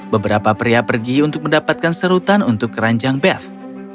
beberapa pria pergi untuk mendapatkan serutan untuk keranjang best